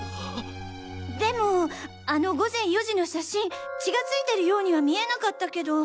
でもあの午前４時の写真血が付いてるようには見えなかったけど。